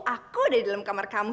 aku ada di dalam kamar kamu